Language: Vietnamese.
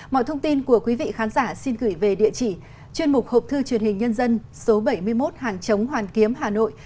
mọi thông tin của quý vị khán giả xin gửi về địa chỉ chuyên mục hộp thư truyền hình nhân dân số bảy mươi một hàng chống hoàn kiếm hà nội